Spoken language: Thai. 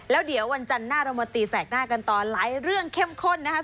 แล้วเดี๋ยววันจันทร์หน้าเรามาตีแสกหน้ากันต่อหลายเรื่องเข้มข้นนะคะ